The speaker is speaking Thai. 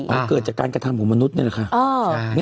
มันเกิดจากการกระทำของมนุษย์นี่แหละค่ะ